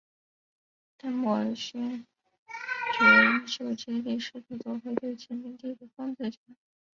邓莫尔勋爵依旧竭力试图夺回对殖民地的控制权。